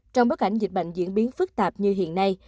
trong bức ảnh dịch bệnh diễn biến phức tạp như hiện nay